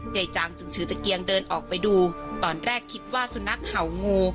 จางจึงถือตะเกียงเดินออกไปดูตอนแรกคิดว่าสุนัขเห่างู